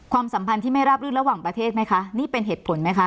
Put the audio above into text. สัมพันธ์ที่ไม่ราบรื่นระหว่างประเทศไหมคะนี่เป็นเหตุผลไหมคะ